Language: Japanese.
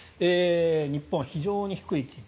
日本は非常に低い金利。